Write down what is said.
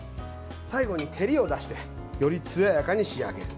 最後に照りを出してよりつややかに仕上げる。